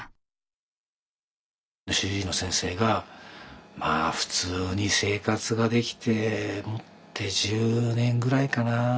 主治医の先生が「まあ普通に生活ができてもって１０年ぐらいかな」。